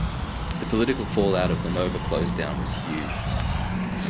The political fallout of the Nova closedown was huge.